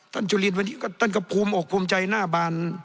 จุลินวันนี้ท่านก็ภูมิอกภูมิใจหน้าบาน